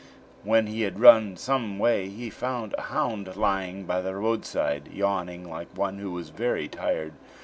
When he had run some way, he found a hound lying by the roadside, yawning like one who was very tired.